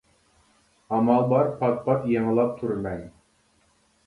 ئامال بار پات پات يېڭىلاپ تۇرىمەن.